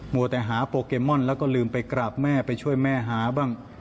วัวแต่หาโปเกมอนแล้วก็ลืมไปกราบแม่ไปช่วยแม่หาบ้าง